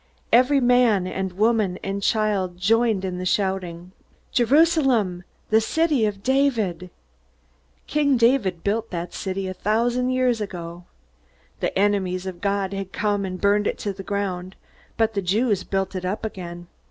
Every man and woman and child joined in the shouting. Jerusalem, the city of David! King David built that city, a thousand years ago. The enemies of God had come and burned it to the ground, but the Jews built it up again.